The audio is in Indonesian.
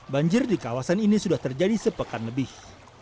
banjir di kawasan ini sudah terjadi sepekan lebih